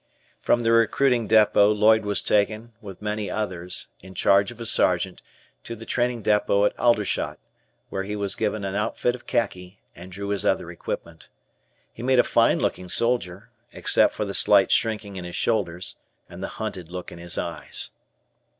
From the recruiting depot Lloyd was taken, with many others, in charge of a sergeant, to the training depot at Aldershot, where he was given an outfit of khaki, and drew his other equipment. He made a fine looking soldier, except for the slight shrinking in his shoulders, and the haunted look in his eyes.